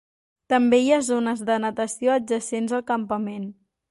També hi ha zones de natació adjacents al campament.